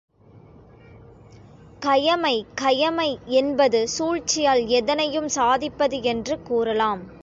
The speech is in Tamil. கயமை கயமை என்பது சூழ்ச்சியால் எதனையும் சாதிப்பது என்று கூறலாம்.